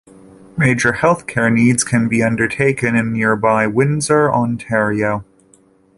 Major healthcare needs can be undertaken in nearby Windsor, Ontario.